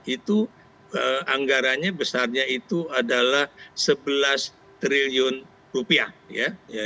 itu anggarannya besarnya itu adalah sebelas triliun rupiah ya